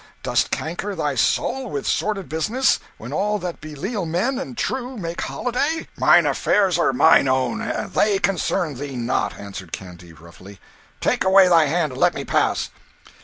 Dost canker thy soul with sordid business when all that be leal men and true make holiday?" "Mine affairs are mine own, they concern thee not," answered Canty, roughly; "take away thy hand and let me pass."